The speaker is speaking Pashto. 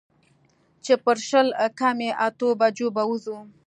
چې پر شل کمې اتو بجو به وځو.